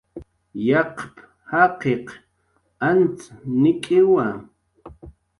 "Yaqp"" jaqiq antz nik'iwa"